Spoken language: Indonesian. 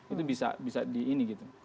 itu bisa di ini gitu